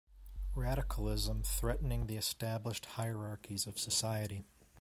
Radicalism threatening the established hierarchies of society.